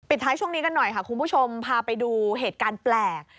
ท้ายช่วงนี้กันหน่อยค่ะคุณผู้ชมพาไปดูเหตุการณ์แปลก